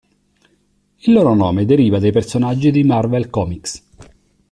Il loro nome deriva dai personaggi di Marvel Comics.